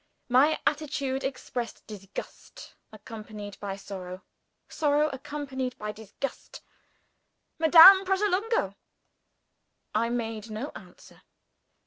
My attitude expressed disgust accompanied by sorrow: sorrow, accompanied by disgust. "Madame Pratolungo!" I made no answer.